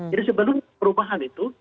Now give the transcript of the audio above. jadi sebelum perubahan itu